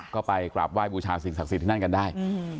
ก็ไปกราบไหว้บูชาสิ่งศักดิ์สิทธิ์นั่นกันได้